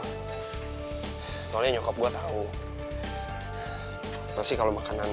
kayaknya gak bagus yang pertama kah lu masih lihat